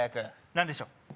何でしょう？